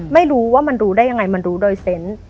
ไม่รู้ว่ามันรู้ได้ยังไงมันรู้โดยเซนต์